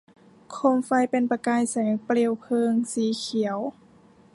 โคมไฟเป็นประกายแสงเปลวเพลิงสีเขียว